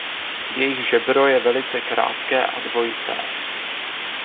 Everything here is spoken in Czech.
Jejich žebro je velice krátké a dvojité.